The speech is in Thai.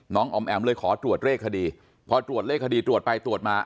อ๋อมแอ๋มเลยขอตรวจเลขคดีพอตรวจเลขคดีตรวจไปตรวจมา